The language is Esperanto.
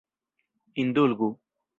Indulgu!